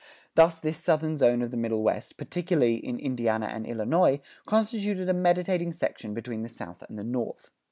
Thus this Southern zone of the Middle West, particularly in Indiana and Illinois, constituted a mediating section between the South and the North.